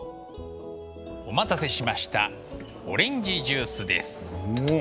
お待たせしましたオレンジジュースです。